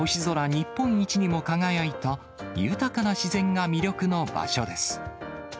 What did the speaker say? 日本一にも輝いた、豊かな自然が魅力の場所です。